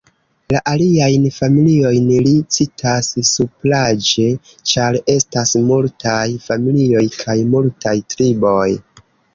La aliajn familiojn li citas supraĵe, ĉar estas multaj familioj kaj multaj triboj.